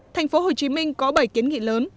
thành phố hồ chí minh có bảy kiến nghị lớn